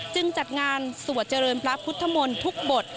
จัดงานสวดเจริญพระพุทธมนต์ทุกบท